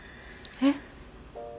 えっ？